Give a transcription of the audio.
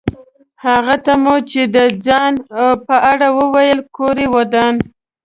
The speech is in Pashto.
هغه ته مو چې د ځان په اړه وویل کور یې ودان.